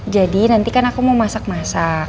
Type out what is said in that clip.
jadi nanti kan aku mau masak masak